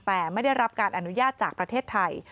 แต่ไม่ได้รับการอนุญาตจากประเทศไทย